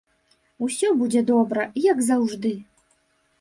Усё будзе добра, як заўжды!